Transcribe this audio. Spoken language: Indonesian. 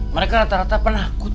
mereka rata rata penakut